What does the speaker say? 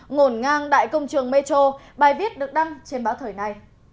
ngổn ngang tại công trường metro bài viết được đăng trên báo thời này